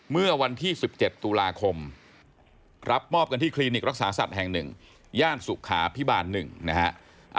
เมื่อวันที่๑๗ตุลาคมรับมอบกันที่คลินิกรักษาสัตว์แห่ง๑ย่านสุขาพิบาล๑นะฮะ